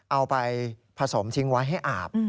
เอาไปผสมทิ้งไว้ให้อาบ